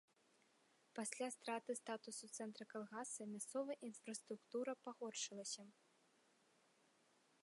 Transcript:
Пасля страты статусу цэнтра калгаса мясцовая інфраструктура пагоршылася.